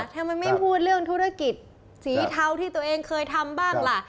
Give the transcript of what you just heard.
ทำไมไม่พูดเรื่องธุรกิจสีเทาที่ตัวเองเคยทำบ้างล่ะ